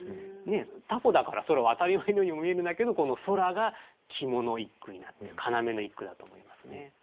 凧だから空は当たり前のようにも見えるんだけどこの「空」が肝の一句になってる要の一句だと思いますね。